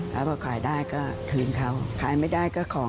เนี่ยใครยิ้มคนนี้ชีวิตติ๋ม